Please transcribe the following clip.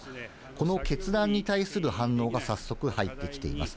この決断に対する反応が、早速入ってきています。